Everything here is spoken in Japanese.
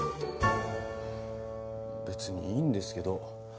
べつにいいんですけど。